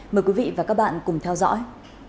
mời quý vị và các bạn cùng theo dõi